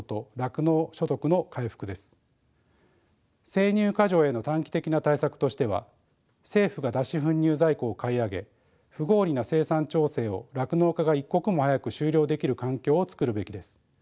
生乳過剰への短期的な対策としては政府が脱脂粉乳在庫を買い上げ不合理な生産調整を酪農家が一刻も早く終了できる環境を作るべきです。